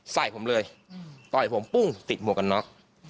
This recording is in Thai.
ใส่ผมเลยต่อยผมปุ้งติดหมวกกันน็อก